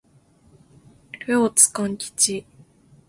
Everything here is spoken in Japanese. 両津勘吉